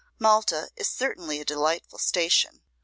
Malta is certainly a delightful station.